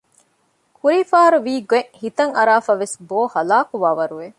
ކުރީފަހަރު ވިގޮތް ހިތަށް އަރައިފަވެސް ބޯ ހަލާކުވާ ވަރު ވެ